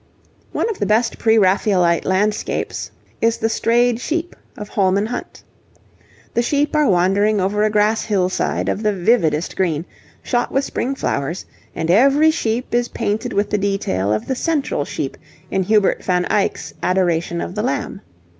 One of the best Pre Raphaelite landscapes is the 'Strayed Sheep' of Holman Hunt. The sheep are wandering over a grass hillside of the vividest green, shot with spring flowers, and every sheep is painted with the detail of the central sheep in Hubert van Eyck's 'Adoration of the Lamb.'